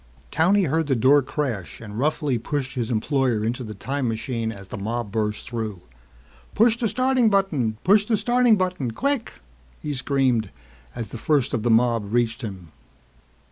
Towney heard the door crash and roughly pushed his employer into the time machine as the mob burst through. "Push the starting button, push the starting button. Quick!" he screamed as the first of the mob reached him.